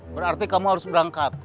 berarti kamu harus berangkat